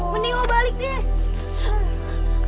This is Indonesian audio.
mending lo balik deh